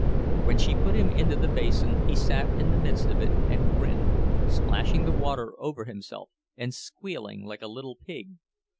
When she put him into the basin he sat in the midst of it and grinned, splashing the water over himself and squealing like a little pig.